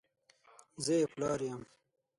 زه یې پلار یم !